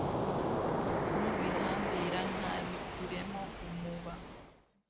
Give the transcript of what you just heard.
n'ubihambira ntabikuremo umuba